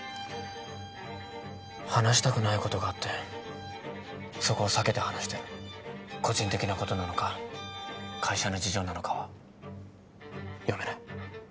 話したくないことがあってそこを避けて話してる個人的なことなのか会社の事情なのかは読めない